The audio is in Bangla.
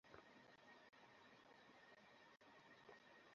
হ্যাঁ, কিন্তু এতে আমাদের কী করার আছে?